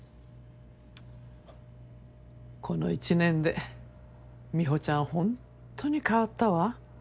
この一年で美帆ちゃんはホントに変わったわ。